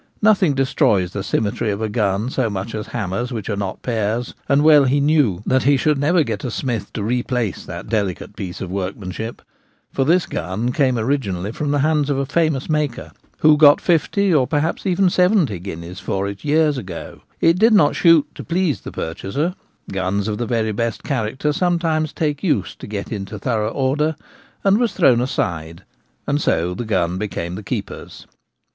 Nothing destroys the symmetry of a gun so much as Shooting Apparatus. hammers which are not pairs ; and well he knew that he should never get a smith to replace that delicate piece of workmanship, for this gun came originally from the hands of a famous maker, who got fifty, or perhaps even seventy guineas for it years ago. It did not shoot to please the purchaser — guns of the very best character sometimes take use to get into thorough order — and was thrown aside, and so the gun became the keeper's.